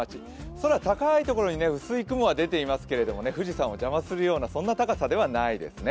空高いところに薄い雲は出ていますけれども、富士山をじゃまするような高さではないですね。